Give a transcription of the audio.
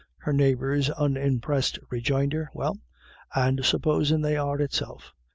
Her neighbours' unimpressed rejoinder, "Well, and supposin' they are itself?"